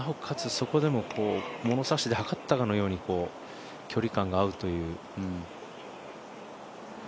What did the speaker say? そこでも物差しで測ったかのように距離感が合うという。